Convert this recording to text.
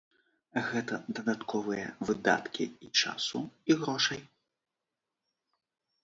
Гэта дадатковыя выдаткі і часу, і грошай.